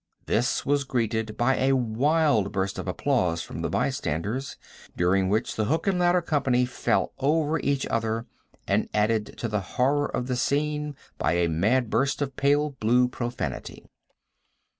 This was greeted by a wild burst of applause from the bystanders, during which the hook and ladder company fell over each other and added to the horror of the scene by a mad burst of pale blue profanity.